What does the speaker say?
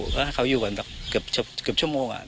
ก็เขาอยู่กันเกือบชั่วโมง